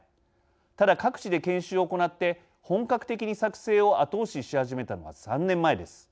ただ、各地で研修を行って本格的に作成を後押しし始めたのは３年前です。